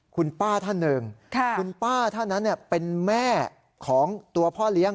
คุณป้าท่านหนึ่งคุณป้าท่านนั้นเป็นแม่ของตัวพ่อเลี้ยง